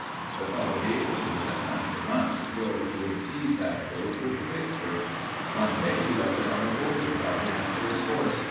The fellow gave it to him and for months George would tease that goat with the picture. One day he left it on a boulder while he went for his horse.